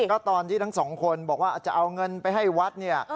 ก็ตอนที่ทั้งสองคนบอกว่าจะเอาเงินไปให้วัดเนี่ย